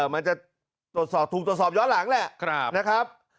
มันจะถูกตรวจสอบย้อนหลังแหละนะครับ